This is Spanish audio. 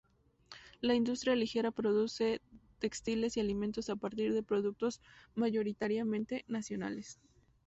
La industria ligera produce textiles y alimentos a partir de productos mayoritariamente nacionales.